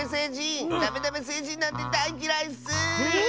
ダメダメせいじんなんてだいっきらいッスー！